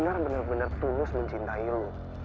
kini lo tuh bener bener tulus mencintai lo